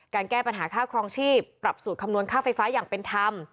แก้ปัญหาค่าครองชีพปรับสูตรคำนวณค่าไฟฟ้าอย่างเป็นธรรม